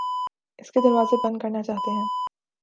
اس کے دروازے بند کرنا چاہتے ہیں